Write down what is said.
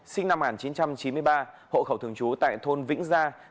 sinh năm một nghìn chín trăm chín mươi ba hộ khẩu thường trú tại thôn vĩnh gia